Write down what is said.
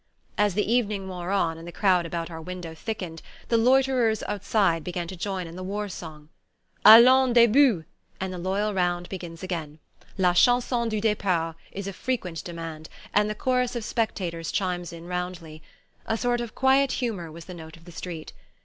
As the evening wore on and the crowd about our window thickened, the loiterers outside began to join in the war songs. "Allons, debout! " and the loyal round begins again. "La chanson du depart" is a frequent demand; and the chorus of spectators chimes in roundly. A sort of quiet humour was the note of the street.